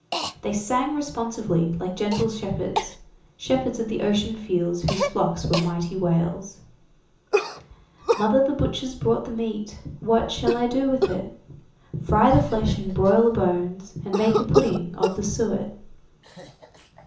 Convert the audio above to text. They sang responsively, like gentle shepherds shepherds of the ocean fields whose flocks were mighty whales: "Mother, the butcher's brought the meat, What shall I do with it? Fry the flesh, and broil the bones, And make a pudding of the su et."